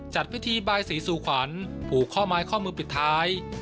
จัดพิธีบายสีสู่ขวัญผูกข้อไม้ข้อมือปิดท้าย